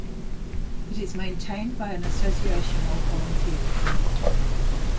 It is maintained by an association of volunteers.